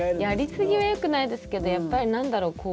やりすぎはよくないですけど何だろう